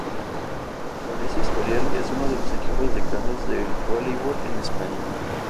Con ese historial es uno de los equipos decanos del voleibol en España.